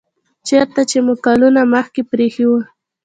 چیرته چې مو کلونه مخکې پریښی و